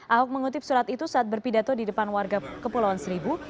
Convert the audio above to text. ahok mengutip surat itu saat berpidato di depan warga kepulauan seribu